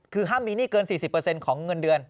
คือห้ามมีหนี้เกิน๔๐ของเงินเดือน